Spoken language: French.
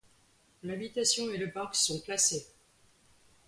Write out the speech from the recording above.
L'habitation et le parc sont classés.